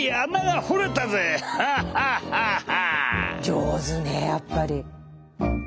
上手ねやっぱり！